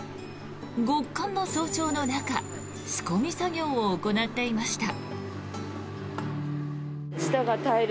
極寒の早朝の中仕込み作業を行っていました。